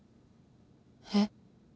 えっ？